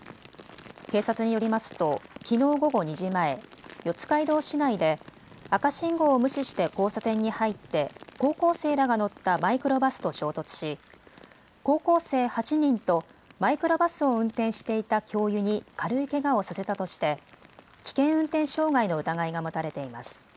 警察によりますときのう午後２時前、四街道市内で赤信号を無視して交差点に入って高校生らが乗ったマイクロバスと衝突し高校生８人とマイクロバスを運転していた教諭に軽いけがをさせたとして危険運転傷害の疑いが持たれています。